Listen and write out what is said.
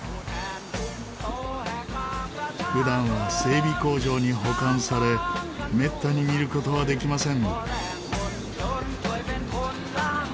普段は整備工場に保管されめったに見る事はできません。